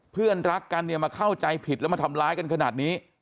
เพื่อนรักกันเนี่ยมาเข้าใจผิดแล้วมาทำร้ายกันขนาดนี้